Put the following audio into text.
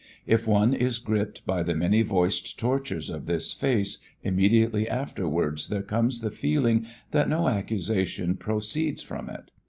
If one is gripped by the many voiced tortures of this face, immediately afterwards there comes the feeling that no accusation proceeds from it.